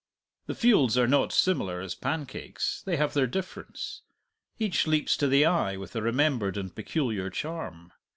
The fields are not similar as pancakes; they have their difference; each leaps to the eye with a remembered and peculiar charm.